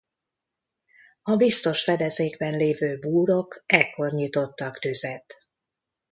A biztos fedezékben lévő búrok ekkor nyitottak tüzet.